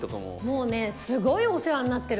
もうねすごいお世話になってる。